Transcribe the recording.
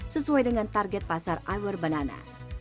sesuai dengan target pasar i wear banana